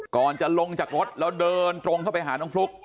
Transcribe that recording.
ก่อนจะลงจากรถแล้วเดินตรงเข้าไปหาน้องฟลุ๊ก